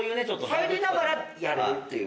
入りながらやるっていう。